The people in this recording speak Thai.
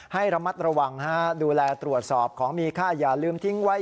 ให้ระมัดระวังดูแลตรวจสอบของมีค่าอย่าลืมทิ้งไว้